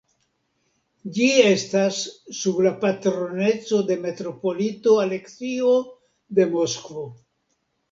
Ĝi estas sub la patroneco de metropolito Aleksio de Moskvo.